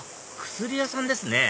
薬屋さんですね